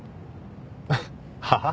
はあ？